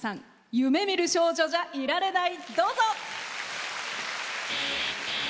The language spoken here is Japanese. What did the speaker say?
「夢見る少女じゃいられない」。